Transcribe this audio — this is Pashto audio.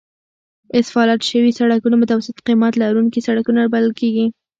اسفالت شوي سړکونه متوسط قیمت لرونکي سړکونه بلل کیږي